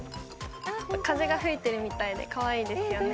風が吹いてるみたいでかわいいですよね。